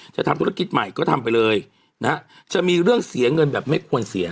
ทำธุรกิจใหม่ก็ทำไปเลยนะฮะจะมีเรื่องเสียเงินแบบไม่ควรเสีย